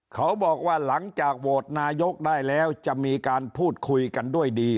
เขาบอกว่าหลังจากโหวตนายกได้แล้วจะมีการพูดคุยกันด้วยดี